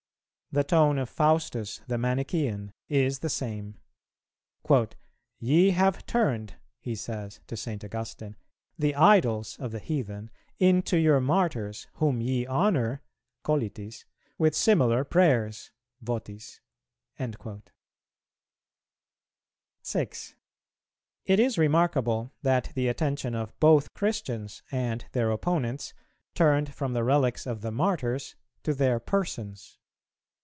The tone of Faustus the Manichæan is the same. "Ye have turned," he says to St. Augustine, "the idols" of the heathen "into your Martyrs, whom ye honour (colitis) with similar prayers (votis)."[406:1] 6. It is remarkable that the attention of both Christians and their opponents turned from the relics of the Martyrs to their persons.